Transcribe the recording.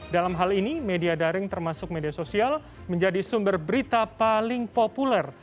dalam hal ini media daring termasuk media sosial menjadi sumber berita paling populer